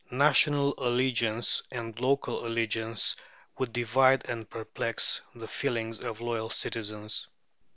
National allegiance and local allegiance would divide and perplex the feelings of loyal citizens.